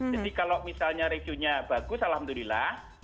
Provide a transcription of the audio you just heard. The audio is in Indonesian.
jadi kalau misalnya reviewnya bagus alhamdulillah